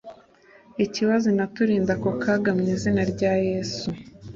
ikibazo inaturinde ako kaga mwizina rya yesu